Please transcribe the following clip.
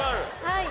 はい。